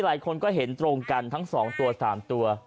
หลายคนก็เห็นตรงกันทั้ง๒ตัว๓ตัว